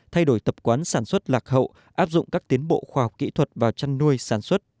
thay đổi tập quán sản xuất lạc hậu áp dụng các tiến bộ khoa học kỹ thuật vào chăn nuôi sản xuất